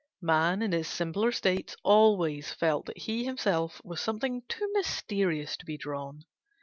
Man, in his simpler states, always felt that he himself was something too mysterious to be drawn.